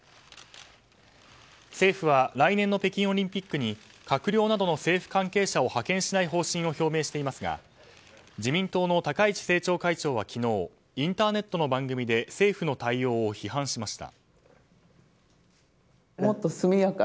政府は来年の北京オリンピックに閣僚などの政府関係者を派遣しない方針を表明していますが自民党の高市政調会長は昨日インターネットの番組で政府の対応を批判しました。